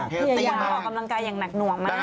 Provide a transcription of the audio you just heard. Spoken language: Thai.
แต่ยังมากแต่ยังมากออกกำลังกายอย่างหนักหน่วงมาก